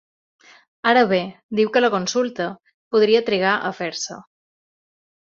Ara bé, diu que la consulta podria trigar a fer-se.